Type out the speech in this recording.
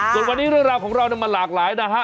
ส่วนวันนี้เรื่องราวของเรามันหลากหลายนะฮะ